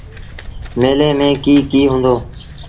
ميلي ميݩ ڪيٚ ڪيٚ هُݩدو۔